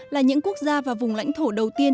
là những quốc gia và vùng lãnh thổ đầu tiên